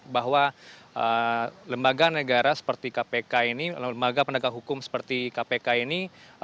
bahwa lembaga negara seperti kpk ini lembaga penegak hukum seperti kpk ini